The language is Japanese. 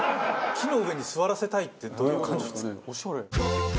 木の上に座らせたいってどういう感情なんですかね。